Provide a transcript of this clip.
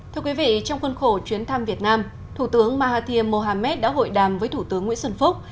thưa quý vị trong khuôn khổ chuyến thăm việt nam thủ tướng mahathir mohamed đã hội đàm với thủ tướng nguyễn xuân phúc